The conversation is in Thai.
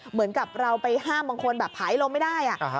เหมือนกับเราไปห้ามบางคนแบบผายลมไม่ได้